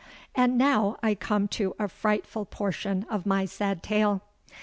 "And now I come to a frightful portion of my sad tale.